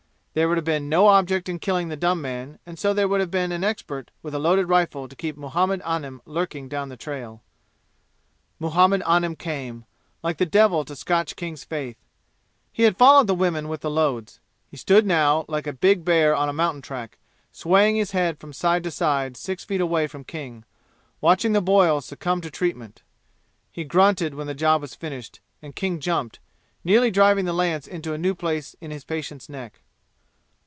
There would have been no object in killing the dumb man and so there would have been an expert with a loaded rifle to keep Muhammad Anim lurking down the trail. Muhammad Anim came like the devil to scotch King's faith. He had followed the women with the loads. He stood now, like a big bear on a mountain track, swaying his head from side to side six feet away from King, watching the boils succumb to treatment. He grunted when the job was finished, and King jumped, nearly driving the lance into a new place in his patient's neck.